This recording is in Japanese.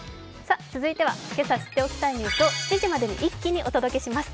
続いては、けさ知っておきたいニュースを７時までに一気にお届けします。